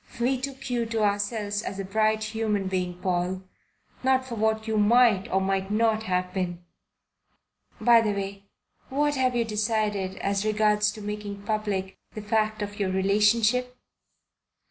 "We took you to ourselves as a bright human being, Paul not for what you might or might not have been. By the way, what have you decided as regards making public the fact of your relationship?"